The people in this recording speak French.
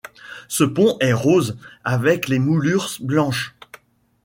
Ce pont est rose avec les moulures blanches.